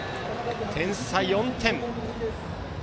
点差４点。